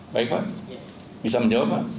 baik pak bisa menjawab pak